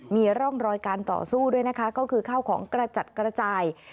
มีร่องรอยการต่อสู้ด้วยนะคะก็คือข้าวของกระจัดกระจาย